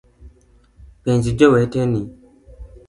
Penj joweteni